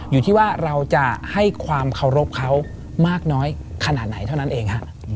อยู่ที่ว่าเราจะให้ความเคารพเขามากน้อยขนาดไหนเท่านั้นเองฮะ